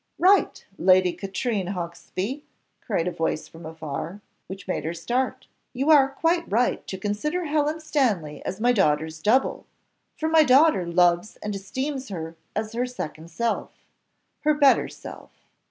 "Right, Lady Katrine Hawksby," cried a voice from afar, which made her start; "you are quite right to consider Helen Stanley as my daughter's double, for my daughter loves and esteems her as her second self her better self.